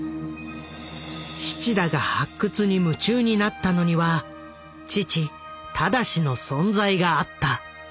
七田が発掘に夢中になったのには父忠志の存在があった。